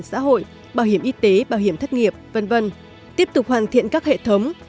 xã hội bảo hiểm y tế bảo hiểm thất nghiệp v v tiếp tục hoàn thiện các hệ thống